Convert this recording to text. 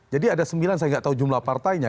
jadi ada sembilan saya nggak tahu jumlah partainya